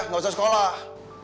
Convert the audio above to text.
gak usah sekolah